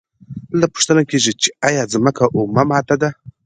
دلته پوښتنه کیږي چې ایا ځمکه اومه ماده ده؟